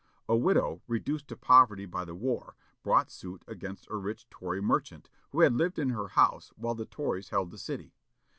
A widow, reduced to poverty by the war, brought suit against a rich Tory merchant, who had lived in her house while the Tories held the city.